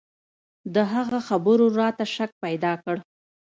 د هغه خبرو راته شک پيدا کړ.